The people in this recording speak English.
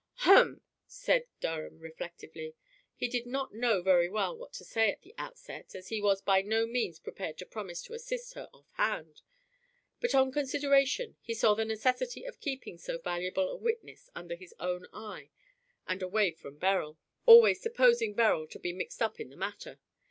"Hum," said Durham, reflectively. He did not know very well what to say at the outset as he was by no means prepared to promise to assist her off hand. But on consideration he saw the necessity of keeping so valuable a witness under his own eye and away from Beryl, always supposing Beryl to be mixed up in the matter.